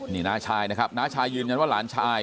นี่น้าชายนะครับน้าชายยืนยันว่าหลานชาย